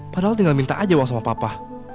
padahal tinggal minta aja uang sama papa